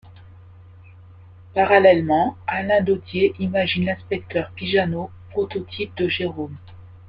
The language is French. Parallèlement, Alain Dodier imagine l’inspecteur Pijannot, prototype de Jérôme.